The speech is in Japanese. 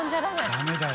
ダメだよ。